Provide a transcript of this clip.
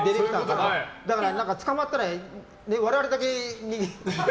だから捕まったら我々だけに。